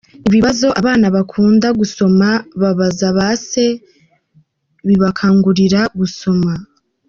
Ibibazo abana bakunda gusoma babaza ba se bibakangurira gusoma.